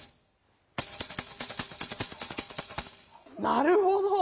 なるほど！